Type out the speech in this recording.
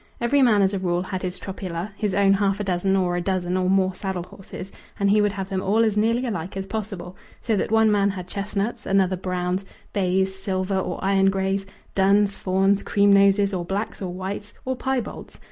Every man as a rule had his tropilla his own half a dozen or a dozen or more saddle horses, and he would have them all as nearly alike as possible, so that one man had chestnuts, another browns, bays, silver or iron greys, duns, fawns, cream noses, or blacks, or whites, or piebalds.